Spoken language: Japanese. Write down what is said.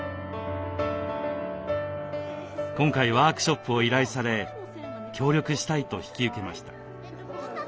今回ワークショップを依頼され協力したいと引き受けました。